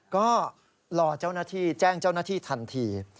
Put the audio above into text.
ก็รอเจ้าหน้าที่แจ้งเจ้าหน้าที่ทันที